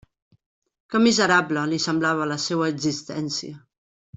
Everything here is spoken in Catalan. Que miserable li semblava la seua existència!